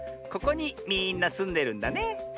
ここにみんなすんでるんだね。